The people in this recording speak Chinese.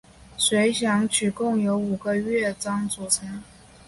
随想曲共有五个乐章组成。